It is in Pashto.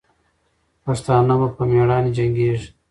پښتانه به په میړانې جنګېږي.